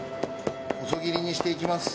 細切りにしていきます。